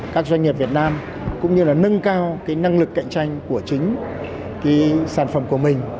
các doanh nghiệp việt nam cũng như là nâng cao năng lực cạnh tranh của chính sản phẩm của mình